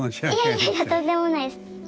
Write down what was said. いやいやいやとんでもないです！